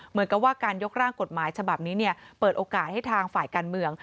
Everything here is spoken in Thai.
เหมือนกับว่าการยกร่างกฎหมายฉบับนี้เปิดโอกาสให้ทางฝ่ายการเมือง